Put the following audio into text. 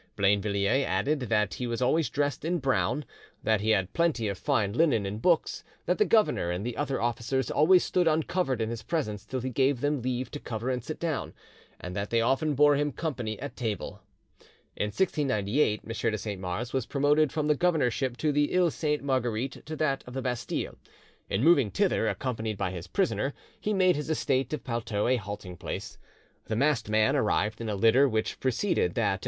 Blainvilliers added that he was always dressed in brown, that he had plenty of fine linen and books, that the governor and the other officers always stood uncovered in his presence till he gave them leave to cover and sit down, and that they often bore him company at table. "In 1698 M. de Saint Mars was promoted from the governorship of the Iles Sainte Marguerite to that of the Bastille. In moving thither, accompanied by his prisoner, he made his estate of Palteau a halting place. The masked man arrived in a litter which preceded that of M.